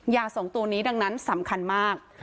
๒ตัวนี้ดังนั้นสำคัญมาก